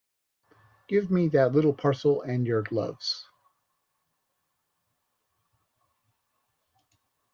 Give me that little parcel and your gloves.